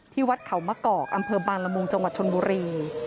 วัดเขามะกอกอำเภอบางละมุงจังหวัดชนบุรี